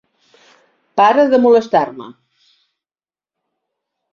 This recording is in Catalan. Para de molestar-me.